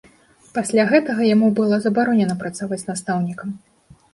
Пасля гэтага яму было забаронена працаваць настаўнікам.